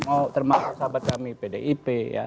oh terima kasih sahabat kami pdip ya